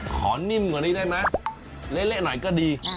นิ่มกว่านี้ได้ไหมเละหน่อยก็ดี